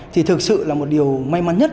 thì thực sự là một điều may mắn nhất